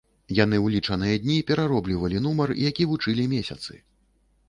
Яны ў лічаныя дні перароблівалі нумар, які вучылі месяцы.